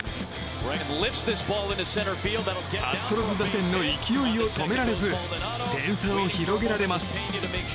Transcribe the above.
アストロズ打線の勢いを止められず点差を広げられます。